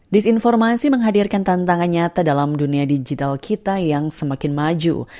disinformasi menghadirkan tantangan nyata dalam dunia digital kita yang semakin maju